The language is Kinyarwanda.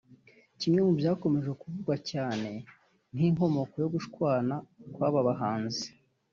Kimwe mu byakomeje kuvugwa cyane nk’inkomoko yo gushwana kw’aba bahanzi